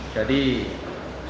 jadi setelah itu